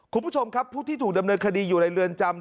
คุณผู้ชมครับผู้ที่ถูกดำเนินคดีอยู่ในเรือนจำ